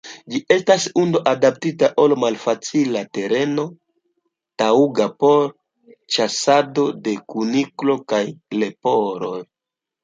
Ĝi estas hundo adaptita al malfacila tereno, taŭga por ĉasado de kunikloj kaj leporoj.